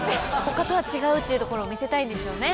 他とは違うっていうところを見せたいんでしょうね。